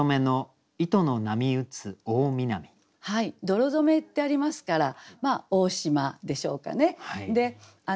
「泥染め」ってありますから大島でしょうかね。